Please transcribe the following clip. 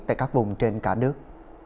tại các vùng trên cả nước